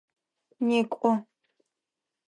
Некӏо!